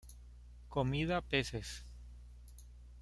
Comida peces.